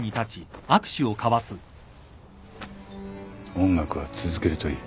音楽は続けるといい。